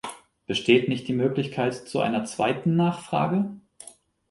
Besteht nicht die Möglichkeit zu einer zweiten Nachfrage?